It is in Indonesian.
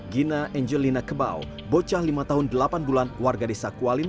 gina angelina kebau bocah lima tahun delapan bulan warga desa kualin